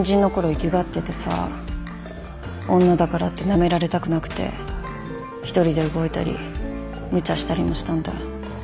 粋がっててさ女だからってなめられたくなくて１人で動いたり無茶したりもしたんだ